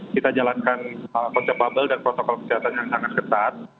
kita jalankan konsep bubble dan protokol kesehatan yang sangat ketat